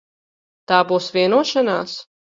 Tā būs vienošanās?